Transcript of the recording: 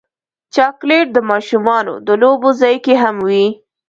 چاکلېټ د ماشومانو د لوبو ځای کې هم وي.